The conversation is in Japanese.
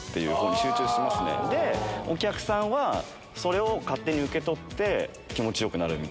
お客さんはそれを勝手に受け取って気持ち良くなる。